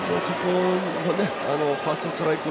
ファーストストライク